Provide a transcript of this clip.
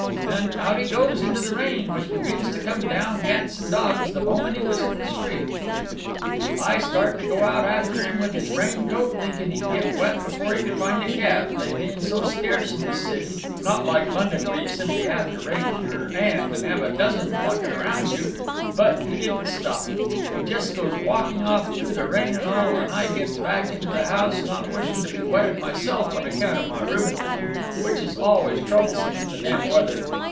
And out he goes into the rain, which begins to come down cats and dogs the moment he was in the street. "I start to go out after him with his rain coat, thinking he'd get wet before he could find a cab, they being so scarce in this city, not like London, where you simply 'ave to raise your 'and to 'ave a dozen flocking round you, but he don't stop; he just goes walking off through the rain and all, and I gets back into the house, not wishing to be wetted myself on account of my rheumatism, which is always troublesome in the damp weather.